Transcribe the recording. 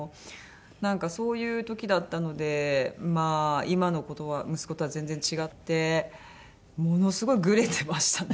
なんかそういう時だったのでまあ今の子とは息子とは全然違ってものすごいグレてましたね。